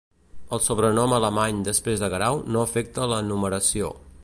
El sobrenom Alemany després de Guerau no afecta la numeració.